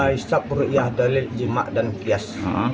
hisap rukiat dalil jemaah dan kias